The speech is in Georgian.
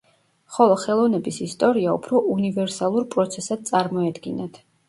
ხოლო ხელოვნების ისტორია უფრო უნივერსალურ პროცესად წარმოედგინათ.